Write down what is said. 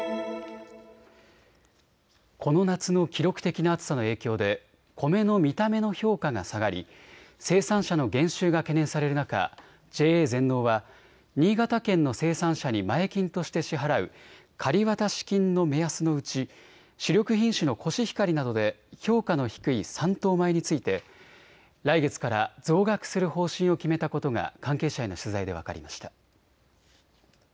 この夏の記録的な暑さの影響で米の見た目の評価が下がり生産者の減収が懸念される中、ＪＡ全農は新潟県の生産者に前金として支払う仮渡し金の目安のうち主力品種のコシヒカリなどで評価の低い３等米について来月から増額する方針を決めたことが関係者への取材で分かりました。